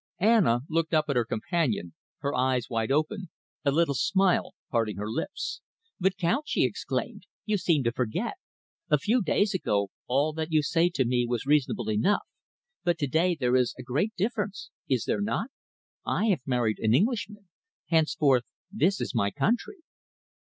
Anna looked up at her companion, her eyes wide open, a little smile parting her lips. "But, Count," she exclaimed, "you seem to forget! A few days ago, all that you say to me was reasonable enough, but to day there is a great difference, is there not? I have married an Englishman. Henceforth this is my country."